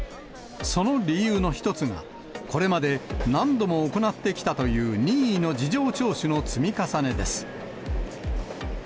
その理由の一つが、これまで何度も行ってきたという任意の事情聴取の積み重ねです。